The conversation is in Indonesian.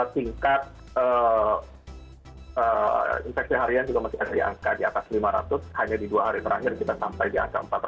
tingkat infeksi harian juga masih ada di angka di atas lima ratus hanya di dua hari terakhir kita sampai di angka empat ratus